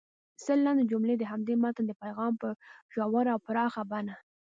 سل لنډې جملې د همدې متن د پیغام په ژوره او پراخه بڼه